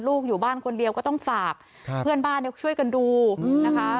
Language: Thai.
อยู่บ้านคนเดียวก็ต้องฝากเพื่อนบ้านช่วยกันดูนะคะ